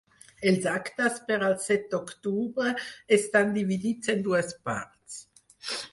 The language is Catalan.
Els actes per al set d’octubre estan dividits en dues parts.